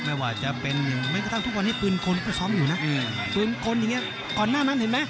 ไม่ว่าจะไม่ก่อนดูลวันทุกวันนี้ปื่นคนซ้อมอยู่นะ